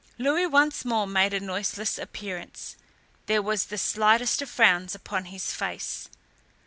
Louis once more made a noiseless appearance. There was the slightest of frowns upon his face.